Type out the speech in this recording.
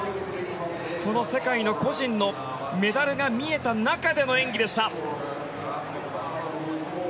この世界の個人のメダルが見えた中での演技でした。